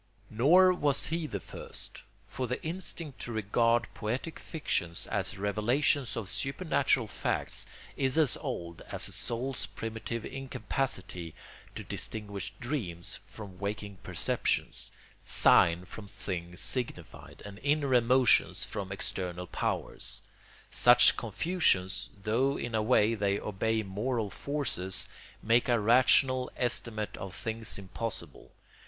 Nor was he the first; for the instinct to regard poetic fictions as revelations of supernatural facts is as old as the soul's primitive incapacity to distinguish dreams from waking perceptions, sign from thing signified, and inner emotions from external powers. Such confusions, though in a way they obey moral forces, make a rational estimate of things impossible.